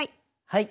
はい。